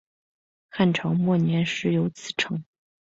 汉朝末年始有此称。